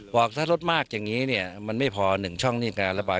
บอกถ้ารถมากอย่างนี้เนี่ยมันไม่พอ๑ช่องนี่การระบาย